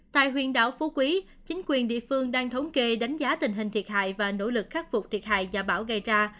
tại huyện đảo phú quý chính quyền địa phương đang thống kê đánh giá tình hình thiệt hại và nỗ lực khắc phục thiệt hại do bão gây ra